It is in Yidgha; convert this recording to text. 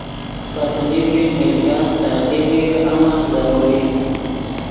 پے څیمی دی ملکن ترقی دیر امن ضروری